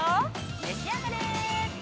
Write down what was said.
召し上がれ。